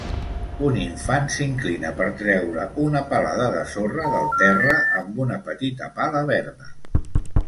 Un infant s'inclina per treure una palada de sorra del terra amb una petita pala verda.